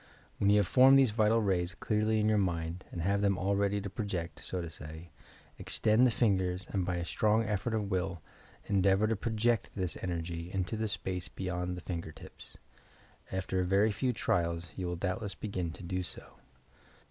When you have formed these vital raya clearly in your mind and have them all ready to project, so to say, extend the fingers and by a strong effort of will, endeavour to project this energy, into space, beyond the finger tips. After a very few trials, you will doubtless begin to do so.